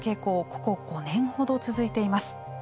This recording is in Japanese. ここ５年ほど続いています。